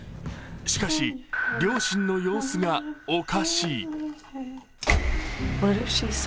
しかし、両親の様子がおかしい。